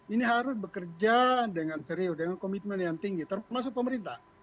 ini harus bekerja dengan serius dengan komitmen yang tinggi termasuk pemerintah